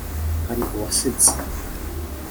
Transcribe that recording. hari uwasetse